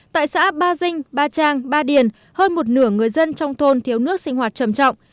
tại xã ba dinh ba trang ba điền hơn một nửa người dân trong thôn thiếu nước sinh hoạt trầm trọng